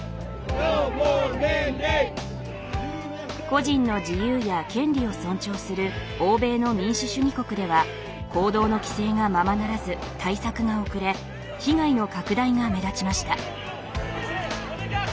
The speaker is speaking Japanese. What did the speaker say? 個人の自由や権利を尊重する欧米の民主主義国では行動の規制がままならず対策が遅れ被害の拡大が目立ちました。